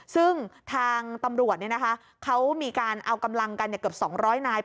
ซึ่งทางตำรวจเขามีการเอากำลังกันเกือบ๒๐๐นาย